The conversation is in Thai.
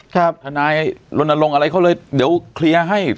ทนายลนลงอะไรเขาเลยเดี๋ยวเคลียร์ให้